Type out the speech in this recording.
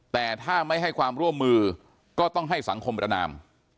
แต่ถ้าไม่ให้ความร่วมมือก็ต้องให้สังคมประนาม